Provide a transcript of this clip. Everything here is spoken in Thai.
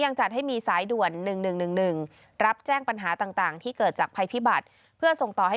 ทรงมีลายพระราชกระแสรับสู่ภาคใต้